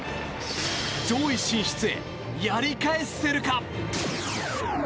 上位進出へ、やり返せるか。